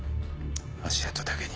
足跡だけに？